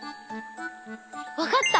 わかった！